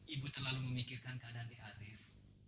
ibu terlalu memikirkan keadaan di arief